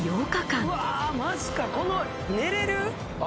この寝れる？